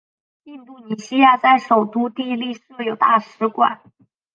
印度尼西亚在首都帝力设有大使馆。